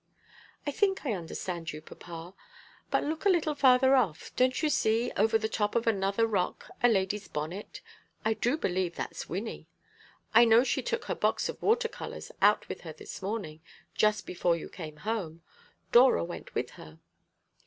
"I think I understand you, papa. But look a little farther off. Don't you see over the top of another rock a lady's bonnet. I do believe that's Wynnie. I know she took her box of water colours out with her this morning, just before you came home. Dora went with her."